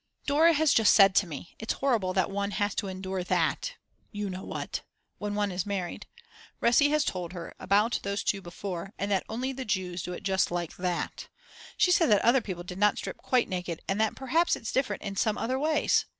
Dora has just said to me: It's horrible that one has to endure that (you know what!!! ) when one is married. Resi had told her about those two before, and that only the Jews do it just like that. She said that other people did not strip quite naked and that perhaps it's different in some other ways!!